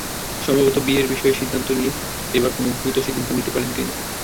সম্ভবত বিয়ের বিষয়টি নিয়ে এবার দ্রুত কোনো সিদ্ধান্ত নিতে পারেন তিনি।